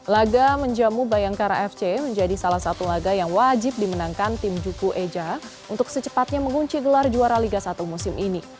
laga menjamu bayangkara fc menjadi salah satu laga yang wajib dimenangkan tim juku eja untuk secepatnya mengunci gelar juara liga satu musim ini